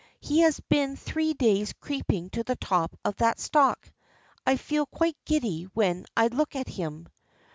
He has been three days creeping to the top of that stalk. I feel quite giddy when I look at him."